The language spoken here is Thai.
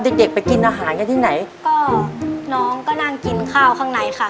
เด็กเด็กไปกินอาหารกันที่ไหนก็น้องก็นั่งกินข้าวข้างในค่ะ